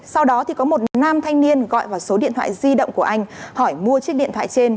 sau đó có một nam thanh niên gọi vào số điện thoại di động của anh hỏi mua chiếc điện thoại trên